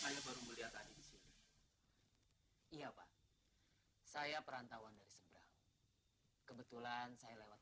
saya baru melihat tadi di sini iya pak saya perantauan dari seberang kebetulan saya lewat